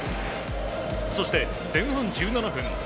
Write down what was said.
そして、前半１７分。